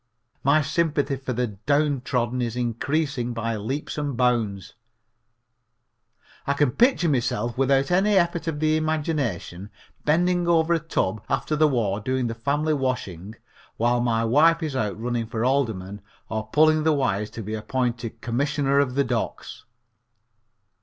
My sympathy for the downtrodden is increasing by leaps and bounds. I can picture myself without any effort of the imagination bending over a tub after the war doing the family washing while my wife is out running for alderman or pulling the wires to be appointed Commissioner of the Docks.